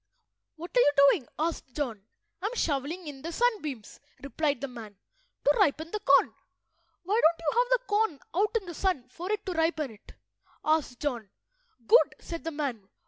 "What are you doing?" asked John. "I am shovelling in the sunbeams," replied the man, "to ripen the corn." "Why don't you have the corn out in the sun for it to ripen it?" asked John. "Good," said the man.